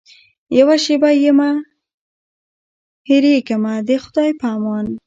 یوه شېبه یمه هېرېږمه د خدای په امان.